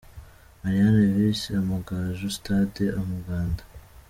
Marines vs Amagaju – Stade Umuganda.